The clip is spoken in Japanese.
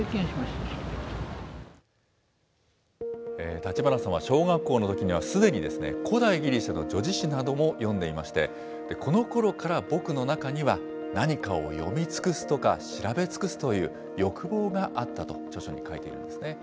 立花さんは小学校のときにはすでに古代ギリシャの叙事詩なども読んでいまして、このころから、僕の中には何かを読み尽くすとか、調べ尽くすという欲望があったと著書に書いているんですね。